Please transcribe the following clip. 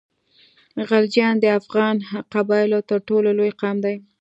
غلجیان د افغان قبایلو تر ټولو لوی قام دی.